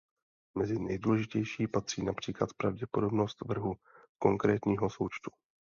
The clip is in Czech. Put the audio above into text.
Mezi nejdůležitější patří například pravděpodobnost vrhu konkrétního součtu.